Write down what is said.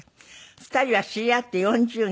２人は知り合って４０年。